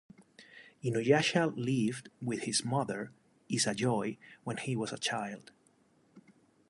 Inuyasha lived with his mother Izayoi when he was a child.